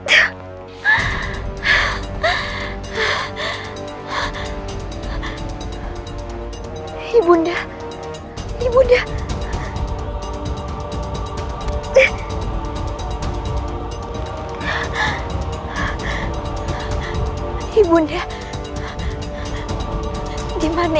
hai hai benda benda